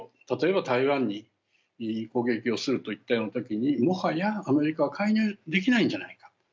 例えば台湾に攻撃をするといったようなときにもはやアメリカは介入できないんじゃないか。